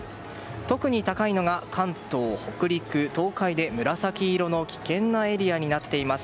特に高いのが関東、北陸、東海で紫色の危険なエリアになっています。